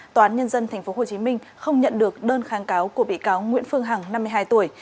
tòa án nhân dân tp hcm không nhận được đơn kháng cáo của bị cáo nguyễn phương hằng năm mươi hai tuổi